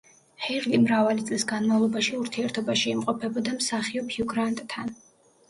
ჰერლი მრავალი წლის განმავლობაში ურთიერთობაში იმყოფებოდა მსახიობ ჰიუ გრანტთან.